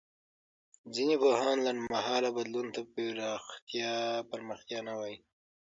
ځيني پوهان لنډ مهاله بدلون ته پرمختيا نه وايي.